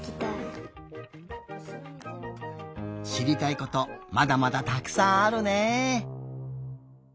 しりたいことまだまだたくさんあるね。